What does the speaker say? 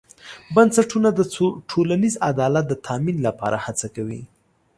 بنسټونه د ټولنیز عدالت د تامین لپاره هڅه کوي.